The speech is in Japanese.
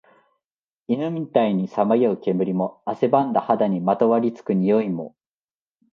犬みたいにさまよう煙も、汗ばんだ肌にまとわり付く臭いも、